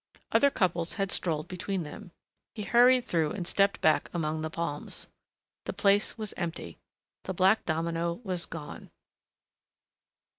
Other couples had strolled between them. He hurried through and stepped back among the palms. The place was empty. The black domino was gone.